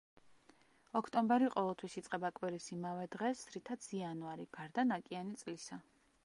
ოქტომბერი ყოველთვის იწყება კვირის იმავე დღეს, რითაც იანვარი, გარდა ნაკიანი წლისა.